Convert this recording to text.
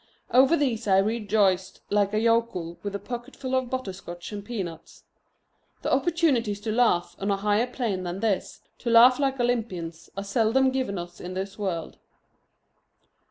Over these I rejoiced like a yokel with a pocketful of butterscotch and peanuts. The opportunities to laugh on a higher plane than this, to laugh like Olympians, are seldom given us in this world.